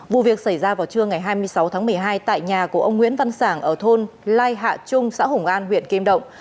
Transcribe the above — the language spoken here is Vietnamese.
vụ việc xảy ra vào trưa ngày hai mươi sáu tháng một mươi hai tại nhà của ông nguyễn văn sản ở thôn lai hạ trung xã hùng an huyện kim động